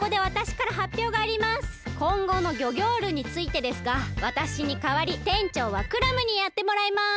こんごのギョギョールについてですがわたしにかわりてんちょうはクラムにやってもらいます！